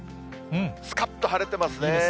すかっと晴れてますね。